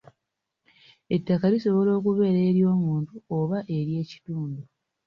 Ettaka lisobola okubeera ery'omuntu oba ery'ekitundu.